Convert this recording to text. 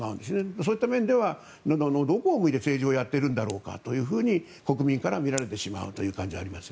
そういった面ではどこを向いて政治をやっているんだろうかと国民から見られてしまうという感じがありますね。